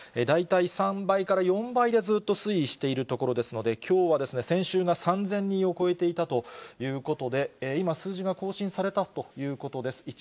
大体３倍から４倍でずっと推移しているところですので、きょうは、先週が３０００人を超えていたということで、今、数字が更新されたということです。